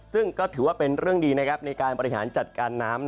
ซึ่งก็ถือว่าเป็นเรื่องดีนะครับในการบริหารจัดการน้ำ